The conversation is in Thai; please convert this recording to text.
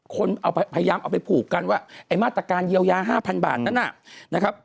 คนพยายามเอาไปผูกกันว่าไอ้มาตรการเยียวยา๕๐๐บาทนั้นนะครับ